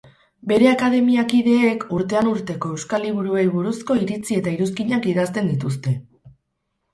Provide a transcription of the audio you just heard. Bere akademiakideek urtean urteko euskal liburuei buruzko iritzi eta iruzkinak idazten dituzte.